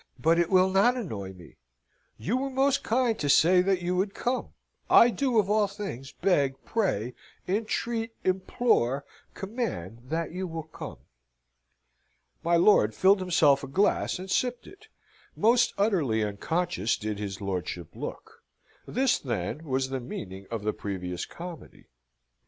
"But it will not annoy me! You were most kind to say that you would come. I do, of all things, beg, pray, entreat, implore, command that you will come." My lord filled himself a glass, and sipped it. Most utterly unconscious did his lordship look. This, then, was the meaning of the previous comedy.